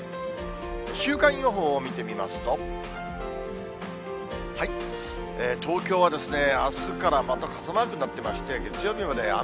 週間予報を見てみますと、東京はあすからまた傘マークになってまして、月曜日まで雨。